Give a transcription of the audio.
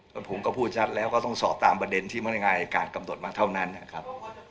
ก็ผมก็พูดชัดแล้วก็ต้องสอบตามประเด็นที่พนักงานอายการกำหนดมาเท่านั้นนะครับ